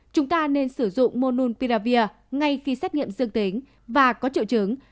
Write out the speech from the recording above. chúng ta nên sử dụng mononpiravir ngay khi xét nghiệm dương tính và có triệu chứng